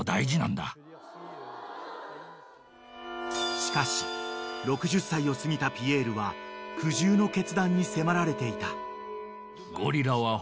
［しかし６０歳を過ぎたピエールは苦渋の決断に迫られていた］